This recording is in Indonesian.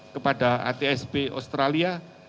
kepada atsb australia